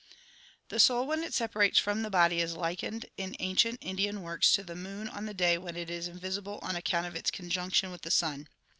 The soul when it separates from the body is likened in ancient Indian works to the moon on the day when it is invisible on account of its conjunction with the sun.